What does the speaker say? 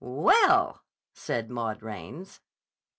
"Well!" said Maud Raines.